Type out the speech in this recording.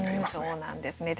そうなんですね。